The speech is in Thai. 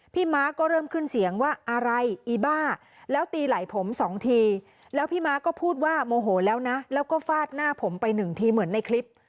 ม้าก็เริ่มขึ้นเสียงว่าอะไรอีบ้าแล้วตีไหล่ผมสองทีแล้วพี่ม้าก็พูดว่าโมโหแล้วนะแล้วก็ฟาดหน้าผมไปหนึ่งทีเหมือนในคลิป